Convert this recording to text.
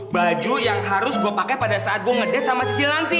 baju yang harus gue pake pada saat gue ngedet sama si sil nanti